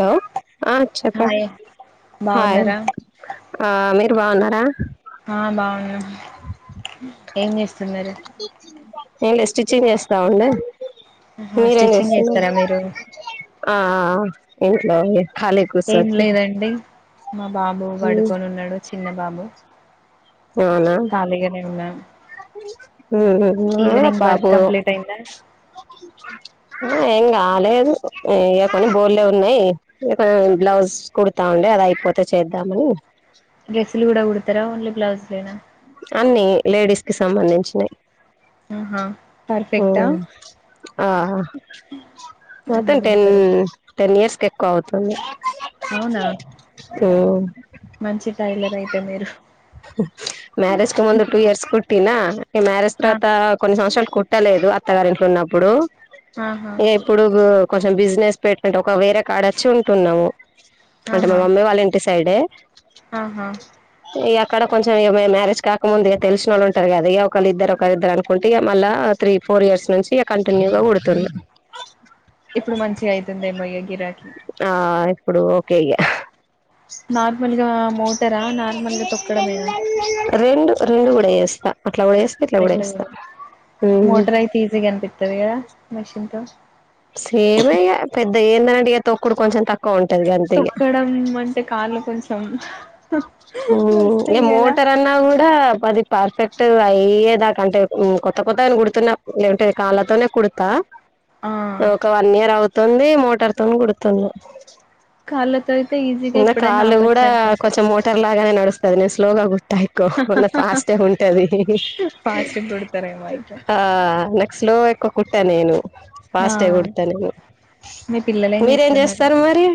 Hello హ hi చెప్పండి hi బాగున్నారా ఆ నె బావున్నారా ఆ బావున్నామండి ఎంలే స్టిచింగ్ చేస్తావుండె ఆహా స్టిచ్చింగ్ చేస్తారా మీరు ఆ ఇంట్లో ఓన్లీ ఏం లేదండి మా బాబు పడుకొని ఉన్నాడు చిన్న బాబు అవునా ఖాళీగానే ఉన్నా ఉ నాలా ఈవినింగ్ పా వర్క్ బో కంప్లీట్ అయిందా ఉమ్ ఏం కాలేదు ఏ కొని బోర్లే ఉన్నాయి బ్లౌజ్ కుడతా ఉండే అది అయిపోతే చేద్దామని డ్రెస్సులు కూడా కుడతారా ఓన్లీ బ్లౌజులెనా అన్ని లేడీస్ కి సంబంధించినయి ఆహా ఉ పర్ఫెక్టా ఆ అన్ని మొత్తం టెన్ కుడతారు టెన్ ఇయర్స్ కి ఎక్కువ అవుతుంది అవునా ఉమ్, మంచి టైలర్ అయితే మీరు మ్యారేజ్ కి ముంది టుూ ఇయర్స్ కుట్టినా మ్యారేజ్ ఆ తర్వాత కొన్ని సంవత్సరాల్ కు ట్టలేదు అత్తగారింట్లో ఉన్నప్పుడు ఆహా ఇగ ఇప్పుడు కొంచెం బిజినెస్ పెట్కు ఒక వేరే కాడ వచ్చి ఉంటున్నాము అంటే మా ఆహా మమ్మీ వాళ్ళ ఇంటి సైడే ఆహా అక్కడ కొంచెం ఏ మ్యేరెజ్ కాకముందుగా తెలిసినోళ్ళు ఉంటారు కదా ఒకళ్లిద్దరు ఒకరి ఇద్దరు అనుకుంటే మళ్ళా త్రి ఫోర్ ఇయర్స్ నుంచి కంటిన్యూగా కుడుతున్నా ఇప్పుడు మంచిగా అయితుందేమో ఇగ గిరాకి ఆ ఇప్పుడు ఓకే ఇగ నార్మల్గా మోటరా నార్మల్ గా తొక్కడమేనా రెండు రెండు కూడా చేస్తా అట్లా కూడా జెస్తా ఇట్లా కూడా చేస్తా ఉమ్ త్తది గదా మెషీన్తో సేమ్ ఇగ పెద్ద ఏందంటే ఇక తొక్కుడు కొంచెం తక్ తొక్కడం అంటే కాలు కొంచెం మ్ ఎ నొస్తాయి కదా మోటర్ అన్నావు పది పర్ఫెక్ట్ అయ్యేదాక అంటే కొత్త కొత్త నువ్ గుడుతున్నా లేేదంటే కాళ్ళతోనే కుడతా ఆ ఒక వన్ ఇయర్ అవుతుంది మోటార్ తోని కుడుతున్నా కాళ్ళతో అయితే ఈజీగా ఇంగా ఎప్పుడైనా కాళ్ళు ఆపచ్చు కూడా అనుకుంటా కొంచెం మో అదేనడుస్తది నే స్లోగా కు టైకో నా ఫాస్ట్ ఉంటది ఫాస్ట్ కొడతారేమో అయితే ఆ స్లో ఎక్కువ కుట్ట నేను ఆ ఫాస్టే కుడతా నేను మీ పిల్లలు ఏం మీరేం చేస్తున్నారు చేస్తారు మరి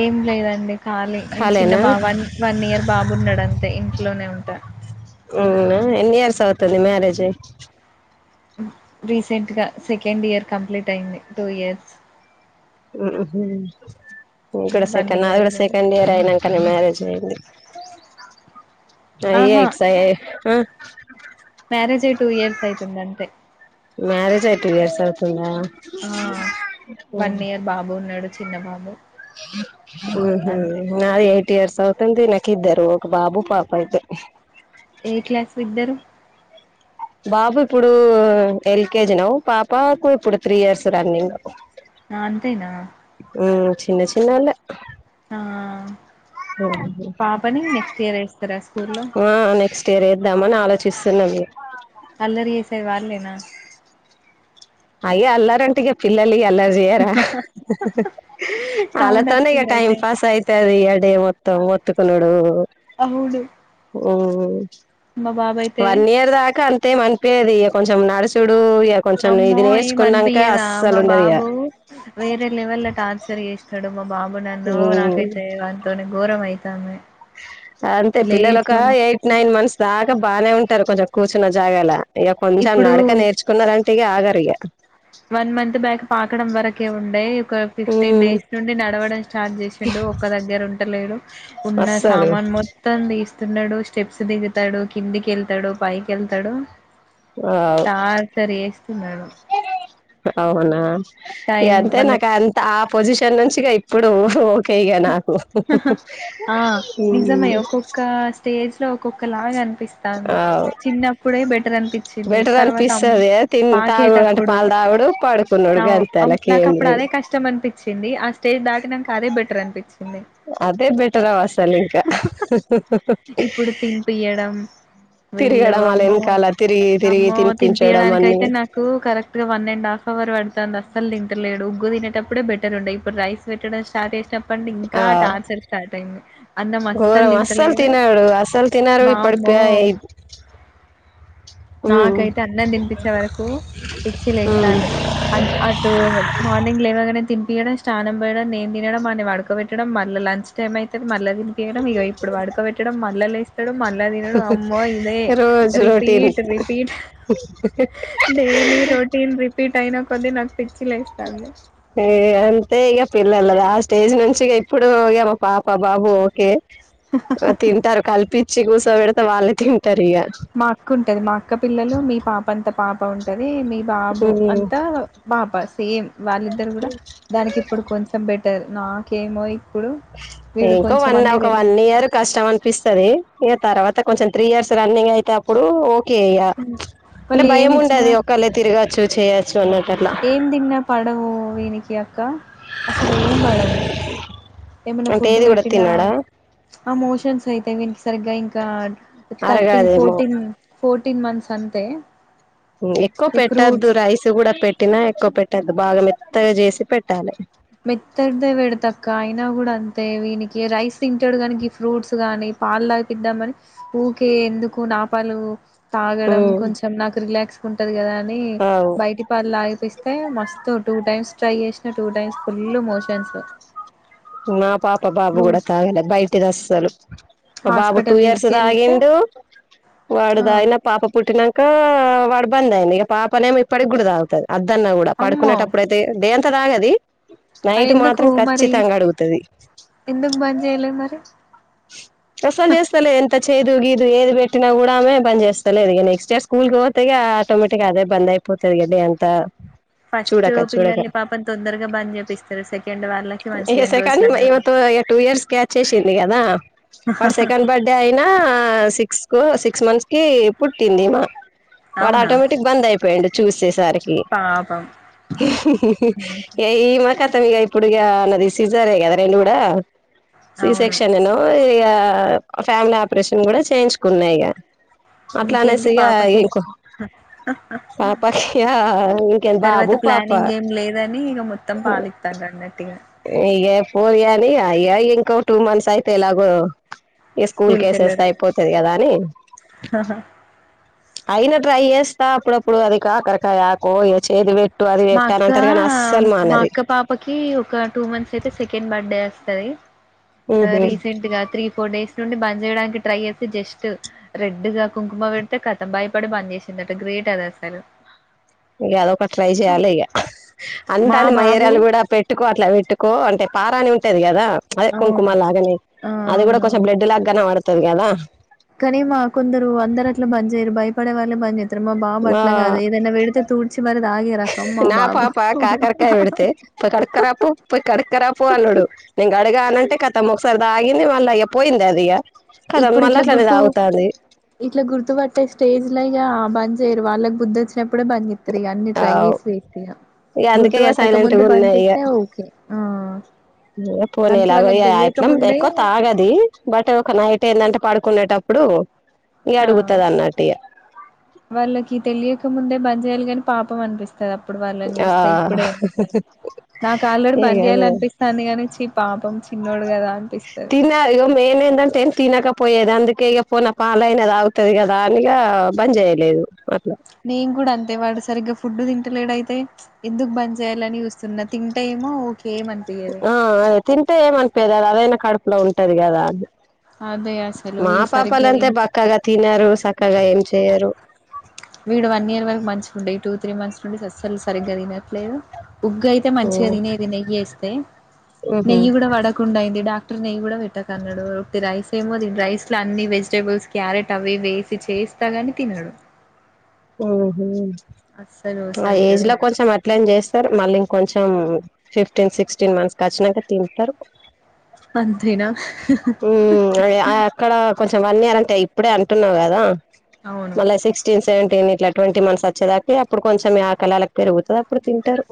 ఏం లేదండి ఖాళీ చిన్న ఖాళీయేనా బావాన్ వన్ ఇయర్ బాబున్నడంతే ఇంట్లోనే ఉంటా అవునా ఎన్ని ఇయర్స్ అవుతుంది మ్యారేజ్ అయ్ రీసెంట్గా సెకండ్ ఇయర్ కంప్లీట్ అయింది టూ ఇయర్స్ ఉ హు కూడా వన్ సెకండ్ నాది కూడా ఇయర్ సెకండ్ ఇయర్ అయినంకనే మ్యారేజ్ అయింది అయ్యే ఆహా ఎక్స్ య్ ఆ మ్యారేజ్ అయి టూ ఇయర్స్ అయితుంది అంతే మ్యారేజ్ అయ్ టూ ఇయర్స్ అవుతుందా ఆ వన్ ఇయర్ బాబు ఉన్నాడు చిన్న బాబు ఉహు అంతే నాది ఎయిట్ ఇయర్స్ అవ్ తుంది నాకిద్దరు ఒక బాబు పాప అయితే ఏ క్లాస్ విద్దరు బాబు ఇప్పుడు ఎల్కేజీ నవ్ పాపాకు ఇప్పుడు త్రీ ఇయర్స్ రన్నింగ్ ఆ! అంతేనా మ్ చిన్న చినోళ్ళే ఆ పాపని నెక్స్ట్ ఇయర్ వేస్తారా స్కూల్లో ఆ నెక్స్ తెరేద్దాం అని ఆలోచిస్తున్నమం ఇగ అల్లరి ఏసేది వాల్లేనా అయ్య అల్లరంటే ఇగా పిల్లలిగ అల్లరి చెయ్యరా ఆళ్ల సౌండ్ తోనే ఇగ వస్తుంది టైమ్ అయితే పాస్ అయితది ఇగ డే మొత్ త్తం మొత్తుకునుడు అవును మా బాబు అయితే వన్ ఇయర్ దాకా అంతేం అనిపియది ఇగ కొంచెం నడుసుడు ఇగ కొంచెం నెయ్ అమ్మో ఏం అనిపియదా మా బాబు వేరే లెవెల్ లో టార్చర్ చేస్త మా బాబు నన్ను నాకైతే వంతోని ఘోరం అయితాంది అంతే పిల్లలు ఒక లేచు ఎయిట్ నైన్ మంత్స్ దాకా బానే ఉం టరు కొంచెం కూర్చున్న జాగాలా ఇగ కొంచెం ఇప్పుడు నడక నేర్చుకున్నరంటే ఇగ ఆగారు ఇగ కే వుండయ్ ఒక ఫిఫ్టీన్ డేస్ నుండి నడవడం స్టార్ట్ చేసిండు ఒక్క దగ్గర ఉంటలేడు ఉన్న అస్సలు సామాన్ మొత్తం దిస్తున్నడు స్టెప్స్ దిగుతడు కిందికెళ్తాడు పైకెళ్తాడు వావ్ టార్చర్ చేస్తున్నాడు అవునా ఇగ టైం అంతే మళ్ళ నాకు అంత ఆ పొజిషన్ నుంచిగా ఇప్పుడు కే ఇగ నాకు ఆ కొలాగా అన్ పిస్తాంది అవు చిన్నప్పుడే బెటర్ అనిపిచింది బెటర్ తర్వాత అం అనిపిస్తది తిన్ తాగుడు అంటే పాకేటప్పుడు పాలు తాగుడు పడుకునుడు గంతే నాకు ఆళ్ళకేం అప్పుడు లేదు అదే కష్టం అనిపిచింది ఆ స్టేజ్ దాటి నంక అదే బెట్ ట్రన్పిచ్ అదే బెటర్ అసలింకా ఇప్పుడు తిన్పీయడం వీళ్ళు తిరగడం ఆళ్ళ అమ్మో ఎనకాల తిరిగి తిరిగి అమ్మో తినిపించడం తినిపియడానికి అన్ని అయితే నాకు కరెక్ట్ గా వన్ అండ్ హాఫ్ అవర్ పడుతుంది అస్సలు తింటలేడు ఉగ్గు తినేప్పుడే బెటర్ ఉండే ఇప్పుడు రైస్ పెట్టడం స్టార్ట్ చేసినప్పుడు ప్పండి ఇంకా ఆ టార్చర్ స్టార్ట్ అయింది అన్నం అస్సలు ఘోరం తింటలేడు వామ్మో ఏయ్ ప్ బ్లాంక్ నాకైతే అన్నం తినిపిచే వరకు పిచ్చి ఉమ్ లేస్తాంది అన్ అటు మార్నింగ్ లేవగానే తినిపియడం స్నానం పోయడం నేను తినడం వాన్ని పడుకోబెట్టడం మళ్ళ లంచ్ టైమ్ అయితది మళ్ళ తినిపియడం ఇగ ఇప్పుడు పడుకోబెట్టడం మళ్ళ లేస్తడు మళ్ళా తినుడు అమ్మో ఇదే రోజు routine repeat repeat daily routine repeat అయిన కొద్దీ నాకు పిచ్చి లేస్తాంది. ఏ అంతే ఇగా పిల్లల్గా ఆ స్టేజ్ నుంచి ఇప్పుడు మా పాప బాబు ఓకే తింటారు కల్పి ఇచ్చి కుసో పెడితే వాళ్లేతిం మా అక్క ఉంటది మా అక్క పిల్లలు మీ పాప అంత పాప ఉంటది అదే మీ బాబు ఉమ్ అంతా బాప సేమ్ వాళ్ళిద్దరు కూడా దానికి ఇప్పుడు కొంచెం బెటర్ నాకేమో ఇ ఇంకో వన్ ఒక వన్ ఇయర్ కష్టం అనిపిస్తది ఇంగ తర్వాత అ కొంచెం త్రీ ఇయర్స్ రన్నింగ్ అయితే అప్పుడు ఓకే ఇగా హ్మ్. అంటే వాళ్ళు భయం ఏమి ఇచ్చినా ఉండది ఒక్కళ్ళే తిరగా చూ చేయొచ్చు అన్నట్టు అట్లా ఏం తిన్నపడవు వీనికి అక్క అసలు ఏం పడవు ఏమన్న అంటే ఫుడ్డు ఏది కూడా పెట్టినా తినడా ఆ మోషన్స్ అయితే వీనికి సరిగా ఇంకా థర్టీన్ అరగదేమో ఫోర్టీన్ ఫో ఫోర్త్వీన్ మంత్స్ అంతే ఎక్కువ ఈ పెట్టద్దు ఫ్రూట్స్ రైస్ కూడా పెట్ట తినేవి ఎక్కువ పెట్టద్దు బాగా మెత్తగ చేసి పెట్టాలి మెత్తటిదే పెడతక్క అయినా కూడా అంతే వీనికి రైస్ తింటడు కానీ ఇ ఫ్రూట్స్ గాని పాలుతాగిపిద్దామని ఊకే ఎందుకు నా పాలు తాగడం ఉమ్ కొంచెం నాకు రిలాక్స్గ ఉంటది కదా అని అవు బయటి పాలు తాగిపి అయితే మస్తు టూ టైమ్స్ ట్రై చేసిన టూ టైమ్స్ ఫుల్ మోషన్స్ నా పాప బాబు కూడ తాగలే బయిటిదస్సలు మా బాబు టూ హాస్పిటల్ ఇయర్స్ తీసుకెళ్తే తాగిండు ఆ వాడుదాగిన పాప పుట్టినంకా వాడు బంద్ అయిండు ఇగ పాపనేమొ ఇప్పటికి గుడ తాగుతది అద్దన్న కూడా అమ్మో పడుకునేటప్పుడయితే డే అంత తాగది నైట్ ఎందుకు మాత్రం మరి ఖచ్చితంగ అడుగు ఎందుకు బంజయలే మరి అస్సలు జేస్తలే ఎంత చేదు గీదు ఏది పెట్టినా కూడా ఆమె బంద్ చేస్తలేదు ఇగ నెక్స్ట్ ఇయర్ స్కూల్కి పోతే ఇగా ఆటోమేటిగ్గా అదే బందయి పోతది ఇగ డే అంత ఫస్టు పిల్లల్ని పాపని తొందరగా బంద్ చేపిస్తరు సెకండ్ వాళ్ళకి ఇగ మంచిగ ఎన్ని సెకండ్ రోజులున్న వా ఈమెతో ఇగ టూ ఇయర్స్ క్యాచ్చేసింది కదా వాడి సెకండ్ బర్త్డే అయినా సిటు క్స్ సిక్స్ మంత్స్ కి పుట్టింది మా వాడు అవునా ఆటోమేటిక్ బంద్ అయిపోయిండు చూసి సరికి పాపం ఇగ ఈమా కత్తు మొత్తం ఇగ ఇప్పుడిగా నాది సేజేరీయనే కదా రెండు కూడా సి అవును సెక్షన్ నువ్ ఇగా ఫ్యామిలీ ఆపరేషన్ కూడా చేయించుకున్న ఇగ బ్లాంక్ అట్లా అనేసి ఇంకేంది ఇగ పాపకి ఇంకో పాపకి ఇగ ఇంకే తర్వాత బాబు పాప ప్లాన్ ఇంకేం లేదని ఇగ మొత్తం పాలిత్తాంన్రు అన్నట్టు ఇగ ఇగ ఫోర్ గాని అయ్య ఇంకో టూ మంత్స్ అయితే ఎలాగో ఇగ స్కూల్ కేసేస్తే అయిపోతది కదా అని అయిన ట్రై చేస్తా అప్పుడప్పుడు అది కాకరకాయ ఆకో ఇగ చేది పెట్ మా అక్కా మా అక్క పాపకి ఒక టూ మంత్స్అయితే సెకండ్ బర్త్ డే వస్తది ఉహు రీసెంట్ గా త్రీ ఫోర్ డేస్ నుండి బంద్ చేయడానికి ట్రై చేసి జస్ట్ రెడ్ గా కుంకుమ పెడితే కతం బయపడి బంద్ చేసిందట గ్రే గిట్టదు అసలు ఇయలో ట్రై చేయాలి ఇక మా అంటటి మ బాబు ఏర్యాలు కూడా పెట్టుకో అట్లా పెట్టుకో అంటే పారని ఉంటది కదా అదే అవును కుంకుమ లాగాని ఆ అది కూడా కొంచెం అవునవును బ్లెడ్ లాగగానే కనబతుటాది కదా కానీ మా కొందరు అందరు అట్లు బంద్ చేయరు భయపడే వాళ్ళే బంద్ చే అ మా బాబు అట్లా కాదు ఏదనా పేడితే తూడ్చి మరి తాగే రకం మా నా బాబు పాప కాకరకాయ పెడితే పోయి కడుక్కరాపో పోయి కడుక్కరాపో అన్నాడు నేను కడక గా అనంటే కథం ఒకసారి వాగింది మాల ఇగ పోయిందదిక ఇప్పుడు ఇట్లా గుర్తు ఇట్లా గుర్తుపట్టే స్టేజి లో ఇగ బంద్ చేయరు వాళ్ళకి బుద్ధి వచ్చినప్పుడే బంద్ చేస్తారు ఇక అన్ని ట్రై అవ్ చేసి వీటి ఇగ ఇక అందుకే గుర్తు ఇక పట్టక ముందు సైలెంట్గా బంద్ చేస్తే ఓకే ఆ అందుకే పోలేలాగ వాళ్ళకి తెలియక అట్ల ఎమ్ ముందే ఎక్కువ తాగది బట్ ఒక నైట్ ఏంటంటే పడుకునేటప్పుడు ఆ అడుగుతది అన్నట్టు ఇక వాళ్ళకి తెలియకముందే బందచేయాలి కాని పాపం అనిపిస్ పిస్తది అప్పుడు వాళ్ళని ఆ చూస్తే ఇప్పుడే ఎందుక నాకు ఆల్రెడీ బంద్ చేయాలి అనిపిస్తుంది కాని చి పా తినాలి మేన్ ఏంటంటే ఏం తినకపోయేది అందుకే ఇక పోనా పాలు అయిన తాగుతుంది కదా అనిగా బంద్ చేయలేదు అట్లా నేను కూడా అంతే వాడు సరిగ్గా ఫుడ్ తిం ట్లేడాయితే ఎందుకు బంద్ చేయాలని చూస్తున్నా తింటే ఏమో ఏమనిపియది ఆ అ తింటే ఎమ్ అనిపియ్యదు అదైనా కడుపులో ఉంటది కదా అని అదే అసలు మా వీళ్ళు సరిగ్గా పాపాలంతే తిన్ బక్కగా తినారు సక్క కగా ఏం చెయరు వీడు వన్ ఇయర్ వరకు మంచిగుండే ఈ టూ త్రీ మంత్స్ నుండి అస్సలు సరిగ్గా తినట్లేదు ఉగ్ అయితే మంచిగా మ్మ్ తినేది నెయ్యి వేస్తే ఊహూ నెయ్యి కూడా వడకుండా అయింది డాక్ట ర్ నెయ్యి కూడా పెట్టకన్నాడు వొట్టి రైస్ ఏమో దీ రైస్ లో అన్ని వెజిటేబుల్స్ క్యారెట్ అవి ఇవి వేసి చేస్తా గాని తినడు ఉహ్మ్ అస్సలు ఆ సరిగ్గా ఏజ్ లో తినడు కొంచెం అట్లనే చేస్తారు మళ్ళీ ఇంకొంచెం ఫిఫ్టీన్ సిక్స్టీన్ మంత్స్ క వచ్చాక తింటారు అంతేనా ఉమ్ అ అక్కడ కొంచెం వన్ ఇయర్ అంటే ఇప్పుడే అంటున్నావు కదా అవును మళ్ళా సిక్స్టీన్త్ సేవంటీన్ ఇట్లా ట్వంటీ మంత్స్ వచ్చేదాకి అప్పుడు కొంచెం ఆ ఆకలి పెరుగుతుంది అప్పుడు తింటారు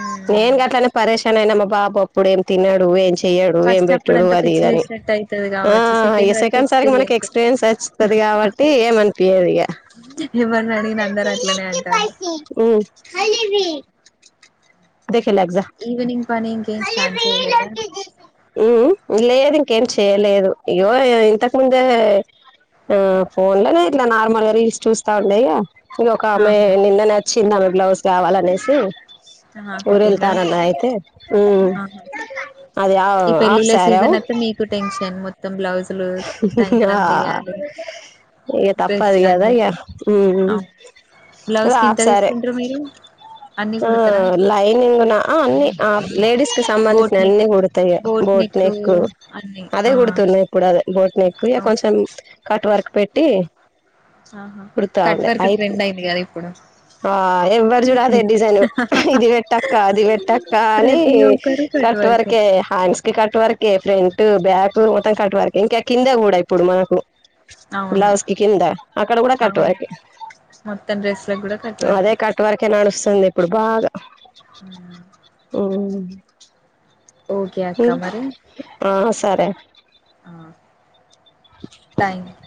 మ్మ్ నేను గట్టలానే పరేశాన్ అయినా మా బాబు అప్పుడు ఏం తిన్నాడు ఏం చే య్యడు ఏం ఫస్ట్ అప్పుడు పెట్టడు అంత అది ఇదని పిచ్చిలేసినట్టు అయితది ఆ కావచ్చు వరకు సెకండ్ సార్కి మనకి ఎక్స్పీరియన్స్ వచ్చితది కాబట్టి ఏమనిపియ్యది ఇగ ఎవరిని అడిగిన అందరు అట్లనే అంటారు ఉమ్ దేఖేలా ఎగ్జా ఈ వినింగ్ పని ఇంకేం స్టార్ట్ చేయలేదా ఉమ్ లేదు ఇంకేం చెయ్యలేదు ఇగో ఇంతకు ముందే ఆ ఫోన్ లోనే ఇట్లా నార్మల్గా రీల్స్ చూస్తా ఉండే ఇగ ఒక ఆమె ఆహా నిన్ననేవచింది ఆమె బ్లౌజ్ కావాలనేసి ఆహా ఊరు వెళ్తా కుట్టిండ్రా అన్నది అయితే ఉమ్ ఆహా అది ఈ ఆఫ్ ఆఫ్ పెళ్ళిళ్ళ సరం సీజన్ అత్తే మీకు టెన్షన్ మొత్తం బ్లౌజులు టైం కి ఆ అందియాలి ఇగ తప్పదు డ్రెస్లు కదా ఇగ అందియాలి అవును అది బ్లౌజ్ కి ఎంత హాఫ్ సారే తీసుకుంటారు మీరు అన్ని ఆ కుడతారా లైనింగ్ ఆ అన్ని లేడీస్ కి బోట్ సంబంధించినవి నెక్ అన్ని కూడతా ఇగ బోట్ నెక్ అన్ని అదే ఆ కుడుతుంది ఇప్పుడు అదే బోట్ నెక్కు ఇక అవును కొంచెం కట్ వర్క్ పెట్టి. ఆహా కట్ కూడతాంది వర్క్ అయితే ట్రెండ్ అయింది కదా ఇప్పుడు ఎవరు చూడద నను ఇది పెట్టక్క, అది పెట్టక్క అని ప్రతి ఒక్కరు కట్ వర్కే వరకే హ్యాండ్స్ కి కట్వ వరకే ఫ్రంట్, బ్యాక్ మతం కట్ వరకే ఇంకా కింద కూడా ఇప్పుడు మనకు అవును బ్లౌస్ కి కింద ఆక్కడ కూడా కట్ అవును వారికే మొత్తం డ్రెస్లకు కూడా కట్ అదే వర్కే కట్ వారికే నడు స్తుంది ఇప్పుడు బాగా హ్మ్. హ్మ్ ఓకే అక్క హ్మ్ మరి ఆ సరే థ్యాంక్